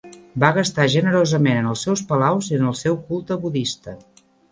Va gastar generosament en els seus palaus i en el seu culte budista.